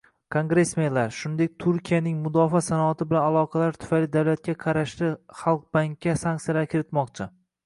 Kongressmenlar, shuningdek, Turkiyaning mudofaa sanoati bilan aloqalari tufayli davlatga qarashli Halkbankga sanksiyalar kiritmoqchi